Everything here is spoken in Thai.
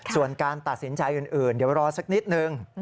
ส่วนการตัดสินใจอื่นเดี๋ยวรอสักนิดนึง